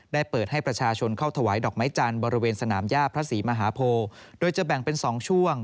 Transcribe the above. ได้เปิดให้ประชาชนเข้าถวายดอกไม้จันทร์บริเวณสนามย่าพระศรีมหาโพโดยจะแบ่งเป็น๒ช่วง